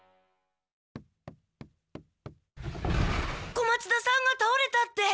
小松田さんがたおれたって。